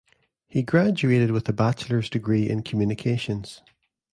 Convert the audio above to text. He graduated with a bachelor's degree in communications.